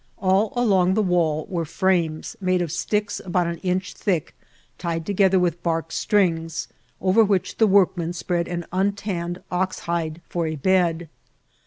All along the wall were frames made of sticks about an inch thick, tied together with bark strings, over which the workmen spread an untanned oxhide for a bed.